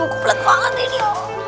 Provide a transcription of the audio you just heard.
udah bukuk banget ini